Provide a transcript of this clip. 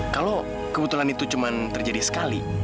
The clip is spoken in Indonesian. kalau kebetulan itu cuma terjadi sekali